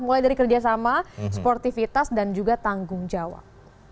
mulai dari kerjasama sportivitas dan juga tanggung jawab